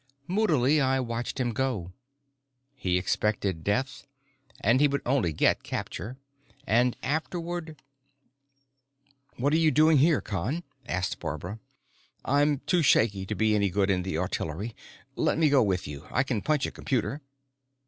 Moodily, I watched him go. He expected death, and he would get only capture, and afterward "What are you doing here, Con?" asked Barbara. "I'm too shaky to be any good in the artillery. Let me go with you, I can punch a computer."